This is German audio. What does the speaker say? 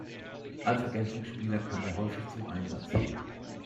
Als Ergänzungsspieler kam er häufig zum Einsatz.